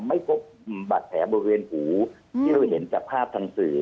ไม่พบบาดแผลบริเวณหูที่เราเห็นจากภาพทางสื่อ